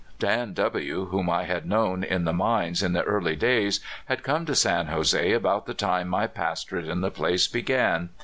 j)an W , whom I had known in the mines in the early days, had come to San Jose about the time my pastorate in the place began.